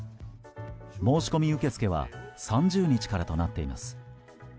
申し込み受け付けは３０日からとなっています。